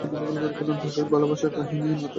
তাদের ভালবাসার কাহিনী নানা নাটকীয় মোড় নিতে থাকে।